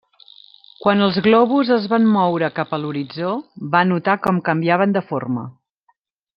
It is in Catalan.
Quan els globus es van moure cap a l'horitzó, va notar com canviaven de forma.